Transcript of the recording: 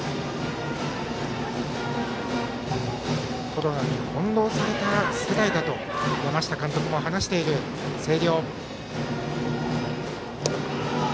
コロナに翻弄された世代だと山下監督も話している星稜。